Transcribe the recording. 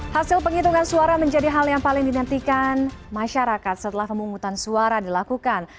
hasil penghitungan suara menjadi hal yang paling dinantikan masyarakat setelah pemungutan suara dilakukan